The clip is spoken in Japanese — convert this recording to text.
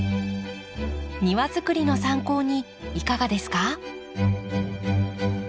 庭づくりの参考にいかがですか？